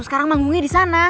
sekarang manggungnya disana